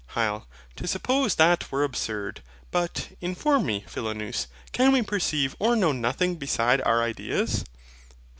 HYL. To suppose that were absurd: but, inform me, Philonous, can we perceive or know nothing beside our ideas?